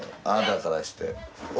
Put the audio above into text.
あなたからして。